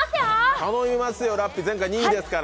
頼みますよ、ラッピー、前回２位ですから。